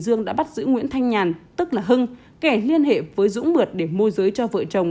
dương đã bắt giữ nguyễn thanh nhàn tức là hưng kẻ liên hệ với dũng mượt để môi giới cho vợ chồng